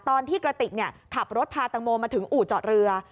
ตอนที่กระติกขับรถพาตังโมมาถึงอู่จอดเรือ